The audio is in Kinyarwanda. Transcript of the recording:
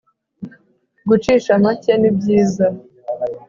gucisha make ni byiza